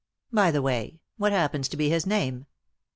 By the way, what happens to be bis name